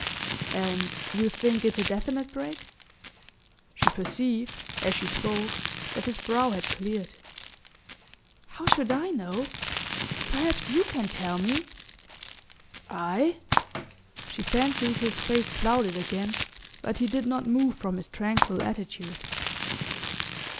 "And you think it's a definite break?" She perceived, as she spoke, that his brow had cleared. "How should I know? Perhaps you can tell me." "I?" She fancied his face clouded again, but he did not move from his tranquil attitude.